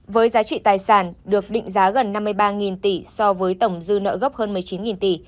với giá trị tài sản được định giá gần năm mươi ba tỷ so với tổng dư nợ gốc hơn một mươi chín tỷ